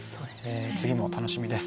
次も楽しみです。